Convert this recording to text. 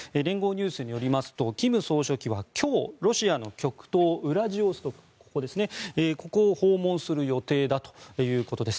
ニュースによりますと金総書記は今日ロシアの極東ウラジオストクを訪問する予定だということです。